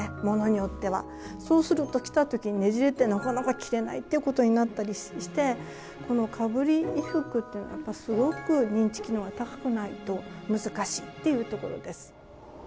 そうすると着た時にねじれてなかなか着れないっていうことになったりしてこのかぶり衣服っていうのはやっぱりすごく認知機能が高くないと難しいっていうところです。